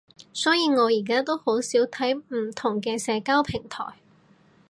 所以我而家都好少睇唔同嘅社交平台